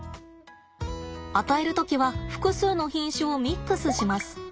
与える時は複数の品種をミックスします。